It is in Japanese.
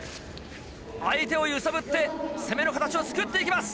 相手を揺さぶって攻めの形をつくっていきます。